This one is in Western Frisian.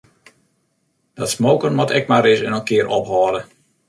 Dat smoken moat ek mar ris in kear ophâlde.